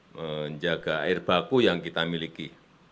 menjaga air baku yang kita miliki